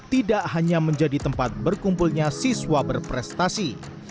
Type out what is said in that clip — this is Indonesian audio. tidak hanya menjadi tempat berkumpulnya siswa berprestasi